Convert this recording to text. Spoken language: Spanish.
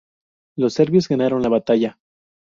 Los serbios ganaron la batalla.